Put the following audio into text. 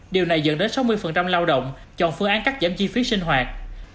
điều này dẫn đến sáu mươi lao động chọn phương án cắt giảm chi phí sinh hoạt